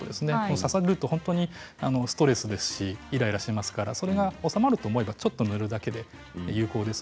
刺されると本当にストレスですしイライラしますからそれが治まると思えばちょっと塗るだけで有効です。